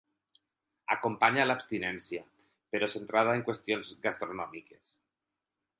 Acompanya l'abstinència, però centrada en qüestions gastronòmiques.